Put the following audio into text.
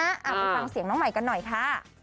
เอาไปฟังเสียงน้องใหม่กันหน่อยค่ะ